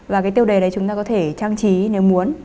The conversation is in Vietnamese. và cái tiêu đề đấy chúng ta có thể trang trí nếu muốn